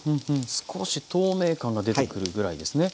少し透明感が出てくるぐらいですね。